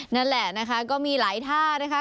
นั่นแหละนะคะก็มีหลายท่านะคะ